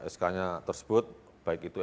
sk nya tersebut baik itu